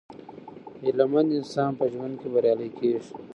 هیله مند انسان په ژوند کې بریالی کیږي.